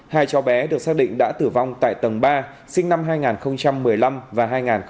hai cháu bé được xác định đã tử vong tại tầng ba sinh năm hai nghìn một mươi năm và hai nghìn một mươi bảy